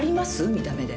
見た目で。